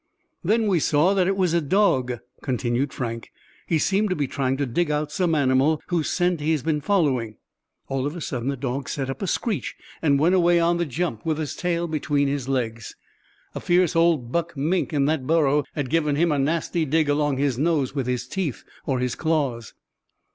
"Then we saw that it was a dog," continued Frank. "He seemed to be trying to dig out some animal whose scent he had been following. All of a sudden the dog set up a screech, and went away on the jump, with his tail between his legs. A fierce old buck mink in that burrow had given him a nasty dig along his nose with his teeth or his claws."